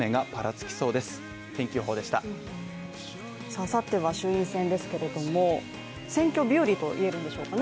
あさっては衆院選ですけれども、選挙びよりと言えるんでしょうかね